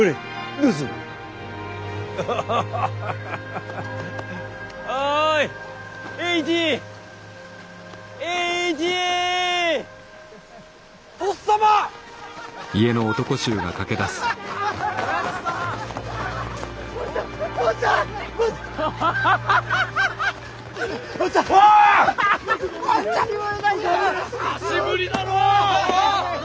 久しぶりだのう！